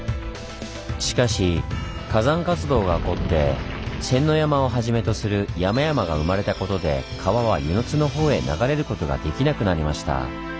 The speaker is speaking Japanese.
しかし火山活動が起こって仙ノ山をはじめとする山々が生まれたことで川は温泉津のほうへ流れることができなくなりました。